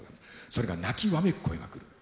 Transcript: それが鳴きわめく声が来る。